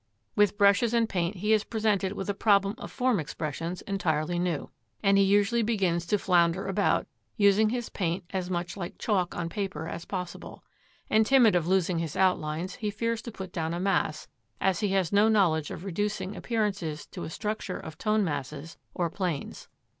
With brushes and paint he is presented with a problem of form expressions entirely new. And he usually begins to flounder about, using his paint as much like chalk on paper as possible. And timid of losing his outlines, he fears to put down a mass, as he has no knowledge of reducing appearances to a structure of tone masses or planes.